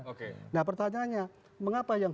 oke nah pertanyaannya mengapa yang